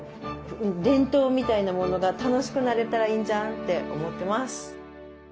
伝統みたいなものが楽しくなれたらいいんじゃんって思ってます。